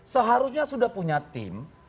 seharusnya sudah punya tim